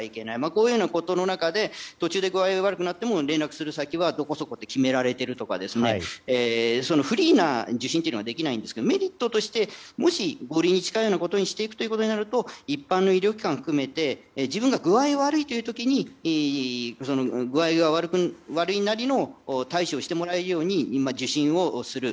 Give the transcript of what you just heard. こういうことの中で途中で具合が悪くなっても連絡する先はどこそこって決められているとかフリーな受診というのができないんですけどメリットとして五類に近いようなことにしていくということになると一般の医療機関を含めて自分が具合悪いという時に具合が悪いなりの対処をしてもらえるように受診をする。